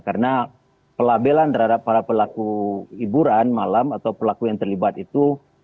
karena pelabelan terhadap para pelaku hiburan malam atau pelaku yang terlibat itu